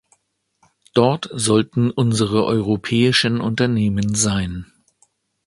Dort sollten unsere europäischen Unternehmen sein.